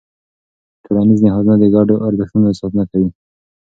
ټولنیز نهادونه د ګډو ارزښتونو ساتنه کوي.